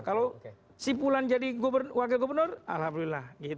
kalau simpulan jadi wakil gubernur alhamdulillah